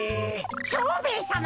蝶兵衛さま